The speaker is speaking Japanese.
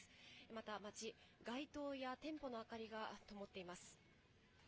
また街、街灯や店舗の明かりがともっています。